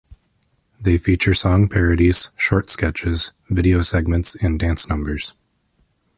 They feature song parodies, short sketches, video segments and dance numbers.